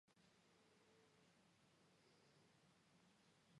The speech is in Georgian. გარდაიცვალა პაპად არჩევიდან სამ კვირაში.